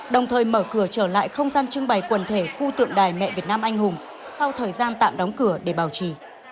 đồng thời mở cửa trở lại không gian trưng bày quần thể khu tượng đài mẹ việt nam anh hùng sau thời gian tạm đóng cửa để bảo trì